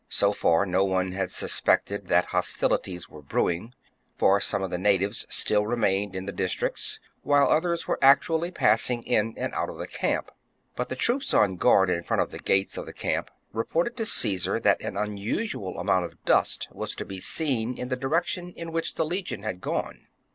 So far no one had suspected that hostilities were brewing ; for some of the natives still remained in the districts, while others were actually passing in and out of the camp ; but the troops on guard in front of the gates of the camp reported to Caesar that an unusual amount of dust was to be seen in the direction in which the legion had gone.